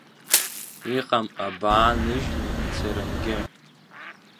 Иҟам абаа ныжьны ицарангьы.